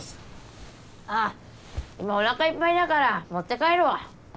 ああ今おなかいっぱいだから持って帰るわ。